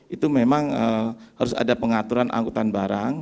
itu memang harus ada pengaturan angkutan barang